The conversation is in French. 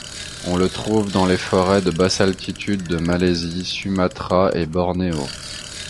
On le trouve dans les forêts de basse altitude de Malaisie, Sumatra et Bornéo.